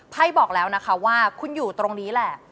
บอกแล้วนะคะว่าคุณอยู่ตรงนี้แหละ